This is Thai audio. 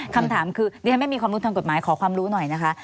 คำถามคือดิฉันไม่มีความรู้ทางกฎหมายขอความรู้หน่อยนะคะ